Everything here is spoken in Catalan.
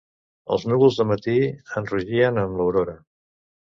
Els núvols del matí enrogien amb l'aurora.